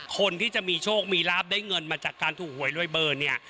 คนที่จะมีโชคมีลาบได้เงินมาจากการถูกหวยรวยเบอร์เนี่ย